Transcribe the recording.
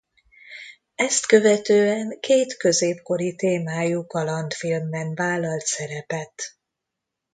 Ezt követően két középkori témájú kalandfilmben vállalt szerepet.